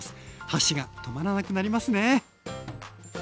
箸が止まらなくなりますね！